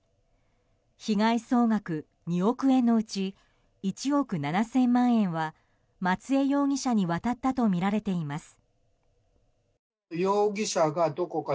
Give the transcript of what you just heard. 被害総額２億円のうち１億７０００万円は松江容疑者に渡ったとみられています。